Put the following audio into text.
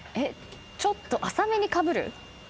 ちょっと浅めにかぶる？